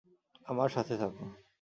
আমার সাথে থাকো।